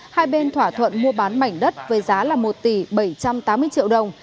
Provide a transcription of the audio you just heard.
hai bên thỏa thuận mua bán mảnh đất với giá là một tỷ bảy trăm tám mươi triệu đồng